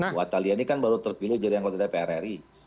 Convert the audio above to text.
ibu atalia ini kan baru terpilih jadi anggota prri